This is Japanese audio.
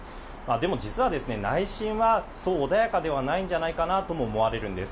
でも実は内心はそう穏やかではないんじゃないかなとも思われるんです。